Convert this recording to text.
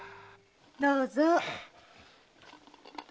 どうぞ。